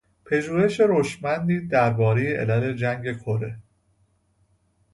پژوهش روشمندی دربارهی علل جنگ کره